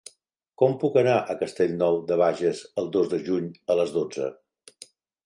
Com puc anar a Castellnou de Bages el dos de juny a les dotze?